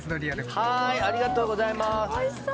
はいありがとうございますおいしそう！